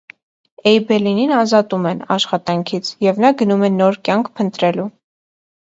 Էյբելինին ազատում են աշխատանքից, և նա գնում է նոր կյանք փնտրելու։